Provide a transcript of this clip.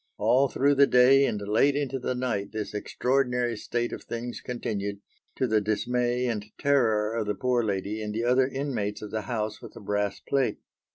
All through the day and late into the night this extraordinary state of things continued, to the dismay and terror of the poor lady and the other inmates of the house with the brass plate.